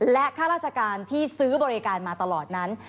และข้าราชการที่ซื้อบริการมาตลอดนั้น